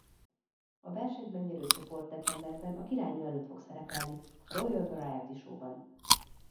A versenyt megnyerő csoport decemberben a királynő előtt fog szerepelni a Royal Variety Showban.